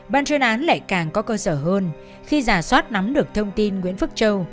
ban chuyên án lại càng có cơ sở hơn khi giả soát nắm được thông tin nguyễn phước châu